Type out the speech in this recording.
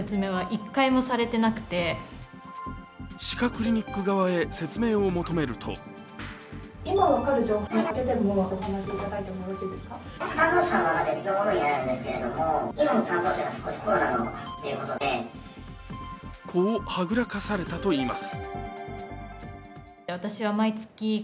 歯科クリニック側へ説明を求めるとこう、はぐらかされたといいます